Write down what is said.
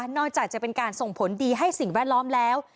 จะเป็นการส่งผลดีให้สิ่งแวดล้อมแล้ว